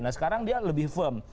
nah sekarang dia lebih firm